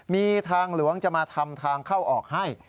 มีทางหลวงจะมาทำทางเข้าออกให้